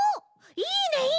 いいねいいね！